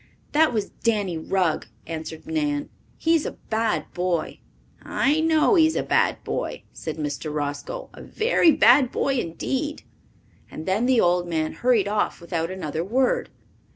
"That was Danny Rugg," answered Nan. "He is a bad boy." "I know he is a bad boy," said Mr. Roscoe. "A very bad boy indeed." And then the old man hurried off without another word.